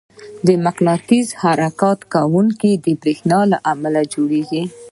مقناطیس د حرکت کوونکي برېښنا له امله جوړېږي.